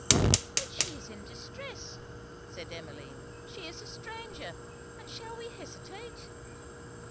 'But she is in distress!' said Emmeline 'she is a stranger! and shall we hesitate?